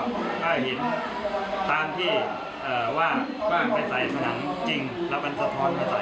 ก็ให้หินตามที่ว่าไปใส่สนังจริงแล้วก็สะท้อนไปใส่